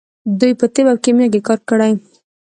دوی په طب او کیمیا کې کار کړی.